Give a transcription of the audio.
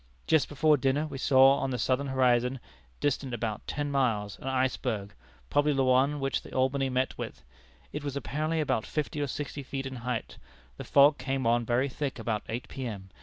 Just before dinner we saw on the southern horizon, distant about ten miles, an iceberg, probably the one which the Albany met with. It was apparently about fifty or sixty feet in height. The fog came on very thick about eight P.M.